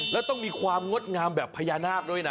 แล้วต้องมีความงดงามแบบพญานาคด้วยนะ